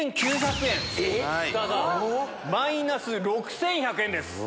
えっ⁉マイナス６１００円です。